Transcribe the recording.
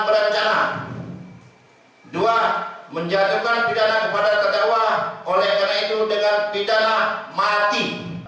berencana dua menjatuhkan pidana kepada terdakwa oleh karena itu dengan pidana mati